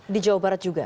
di jawa barat juga